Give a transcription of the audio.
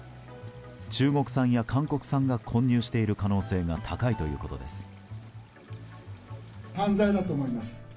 中国産や韓国産が混入している可能性が高いということです。